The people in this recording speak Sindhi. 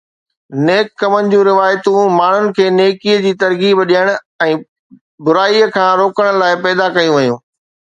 ”نيڪ ڪمن“ جون روايتون ماڻهن کي نيڪيءَ جي ترغيب ڏيڻ ۽ برائيءَ کان روڪڻ لاءِ پيدا ڪيون ويون.